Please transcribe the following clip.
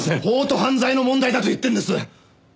法と犯罪の問題だと言ってるんです！